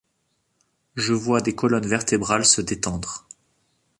Je vois des colonnes vertébrales se détendre.